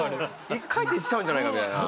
一回転しちゃうんじゃないかみたいな。